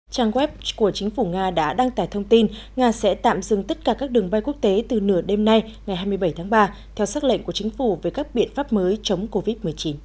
trang web của chính phủ nga đã đăng tải thông tin nga sẽ tạm dừng tất cả các đường bay quốc tế từ nửa đêm nay ngày hai mươi bảy tháng ba theo xác lệnh của chính phủ về các biện pháp mới chống covid một mươi chín